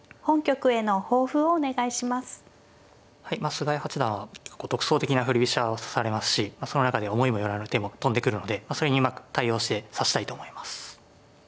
菅井八段は独創的な振り飛車を指されますしその中で思いも寄らぬ手も飛んでくるのでそれに対応して指したいと思います。